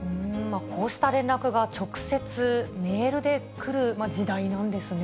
こうした連絡が直接メールで来る時代なんですね。